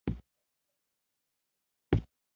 په سوېلي ویلز کې د هغوی راټولېدنې بسنه نه کوله.